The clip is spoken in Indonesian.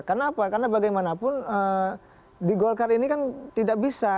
karena apa karena bagaimanapun di golkar ini kan tidak bisa